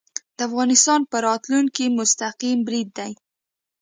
د افغانستان په راتلونکې مستقیم برید دی